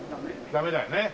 ダメだよね。